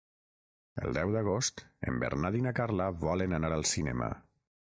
El deu d'agost en Bernat i na Carla volen anar al cinema.